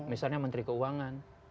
misalnya menteri keuangan